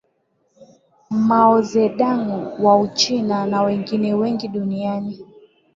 Mao ze Dong wa Uchina na wengineo wengi duniani